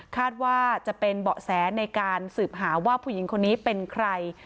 คาดว่าจะเป็นเบาะแสในการสืบหาว่าผู้หญิงคนนี้เป็นใคร